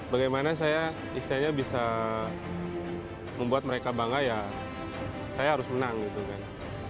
bagaimana saya istilahnya bisa membuat mereka bangga ya saya harus menang gitu kan